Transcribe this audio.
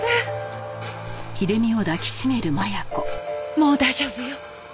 もう大丈夫よ。